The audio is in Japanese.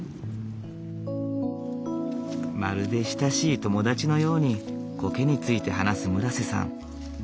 まるで親しい友達のようにコケについて話す村瀬さん。